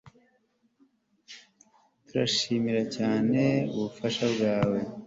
Turashimira cyane ubufasha bwawe